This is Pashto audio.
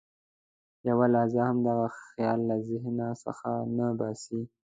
یوه لحظه هم دغه خیال له ذهن څخه نه باسي.